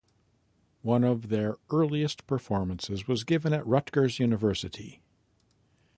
One of their earliest performances was given at Rutgers University.